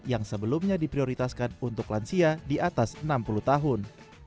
yang sebelumnya diprioritaskan untuk lansia di atas enam puluh tahun